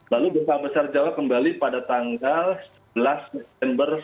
lalu gempa besar jawa kembali pada tanggal sebelas september seribu sembilan ratus dua puluh satu